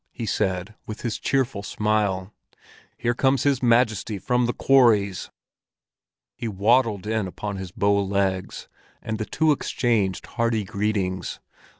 he said, with his cheerful smile. "Here comes his Majesty from the quarries!" He waddled in upon his bow legs, and the two exchanged hearty greetings.